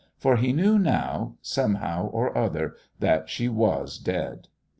For he knew now somehow or other that she was dead....